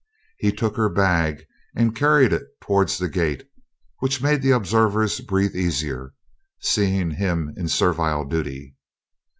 He took her bag and carried it towards the gate, which made the observers breathe easier, seeing him in servile duty.